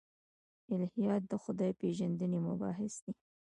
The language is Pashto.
الهیات د خدای پېژندنې مباحث دي.